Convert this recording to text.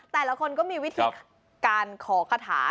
แต่ละคนก็มีวิธีการขอคาถา